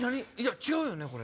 違うよね。